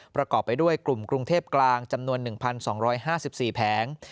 ประกอบไปด้วยกลุ่มกรุงเทพกลางจำนวน๑๒๕๔แผง